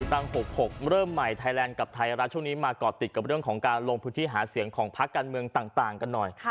ตั้ง๖๖เริ่มใหม่ไทยแลนด์กับไทยรัฐช่วงนี้มาก่อติดกับเรื่องของการลงพื้นที่หาเสียงของพักการเมืองต่างกันหน่อย